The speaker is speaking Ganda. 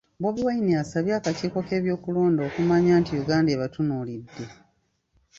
Bobi Wine asabye ab'akakiiko k'ebyokulonda okumanya nti Uganda ebatunuulidde